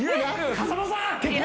風間さん。え！？